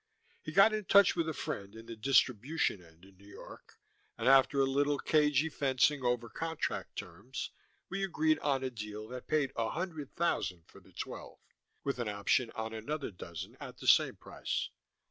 He got in touch with a friend in the distribution end in New York, and after a little cagy fencing over contract terms, we agreed on a deal that paid a hundred thousand for the twelve, with an option on another dozen at the same price.